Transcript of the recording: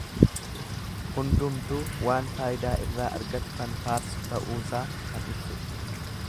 Hundumtuu waan faayidaa irraa argatu kan faarsu ta'uusaa kan ibsudha.